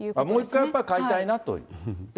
もう１回やっぱり買いたいなと。